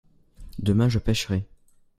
demain je pêcherai.